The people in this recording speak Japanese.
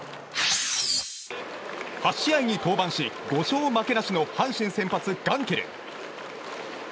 ８試合に登板し５勝負けなしの阪神先発、ガンケル。